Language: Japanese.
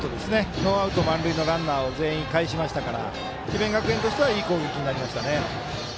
ノーアウト満塁のランナーを全員かえしましたから智弁学園としてはいい攻撃になりましたね。